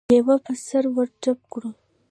لېوه په سړي ور ټوپ کړ.